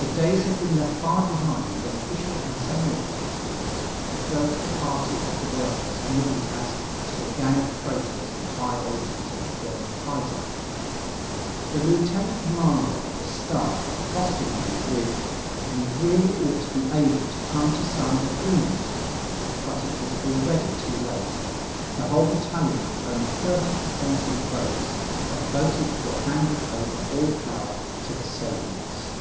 The days had been left far behind, when official and semi official speakers referred to the party of the workers merely as to a gang of traitors and hired agents of the German Kaiser. The Lieutenant Commander of the Staff accosted me with: "We really ought to be able to come to some agreement." But it was already too late. The whole battalion, with only thirty dissenting votes, had voted for handing over all power to the Soviets.